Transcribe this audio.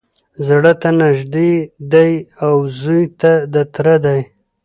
زړه ته نیژدې دی او زوی د تره دی